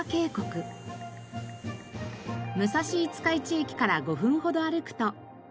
武蔵五日市駅から５分ほど歩くと。